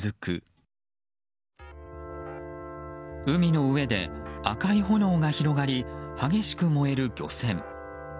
海の上で赤い炎が広がり激しく燃える漁船。